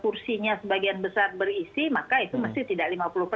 kursinya sebagian besar berisi maka itu mesti tidak lima puluh persen